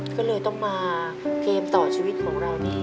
ก็เลยต้องมาเกมต่อชีวิตของเรานี่